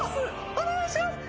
お願いします！